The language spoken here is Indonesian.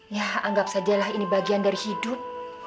ya anggap sajalah ini bagian dari hidup